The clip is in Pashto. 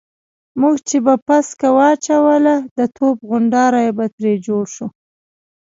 موږ چې به پسکه واچوله د توپ غونډاری به ترې جوړ شو.